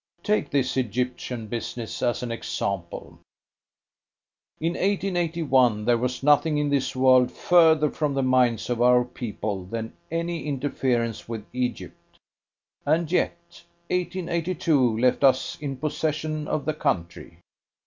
Take this Egyptian business as an example. In 1881 there was nothing in this world further from the minds of our people than any interference with Egypt; and yet 1882 left us in possession of the country.